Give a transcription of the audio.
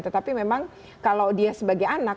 tetapi memang kalau dia sebagai anak